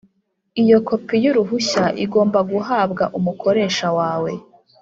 iyo kopi y’ uruhushya igomba guhabwa umukoresha wawe